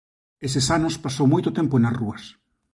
Eses anos pasou moito tempo nas rúas.